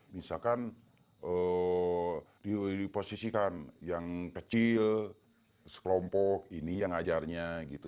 misalkan diposisikan yang kecil sekelompok ini yang ajarnya gitu